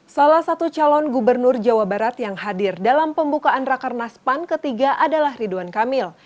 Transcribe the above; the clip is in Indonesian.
salah satu calon gubernur jawa barat yang hadir dalam pembukaan rakernas pan ketiga adalah ridwan kamil